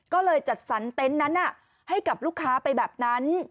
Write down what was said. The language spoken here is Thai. ก็เลยจัดสรรเต็นต์นั้นให้กับลูกค้าไปแบบนั้น